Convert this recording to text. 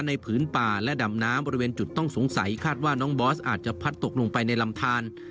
ผืนป่าและดำน้ำบริเวณจุดต้องสงสัยคาดว่าน้องบอสอาจจะพัดตกลงไปในลำทาน